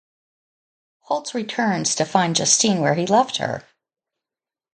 Holtz returns to find Justine where he left her.